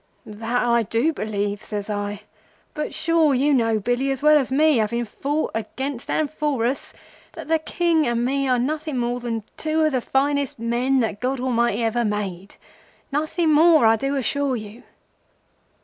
"'That I do believe,' says I. 'But sure, you know, Billy, as well as me, having fought against and for us, that the King and me are nothing more than two of the finest men that God Almighty ever made. Nothing more, I do assure you.